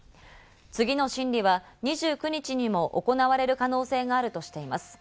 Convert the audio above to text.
次の審理は２９日にも行われる可能性があるとしています。